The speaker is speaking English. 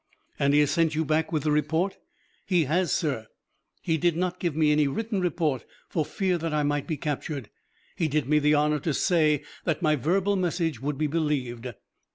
"And he has sent you back with the report?" "He has, sir. He did not give me any written report for fear that I might be captured. He did me the honor to say that my verbal message would be believed."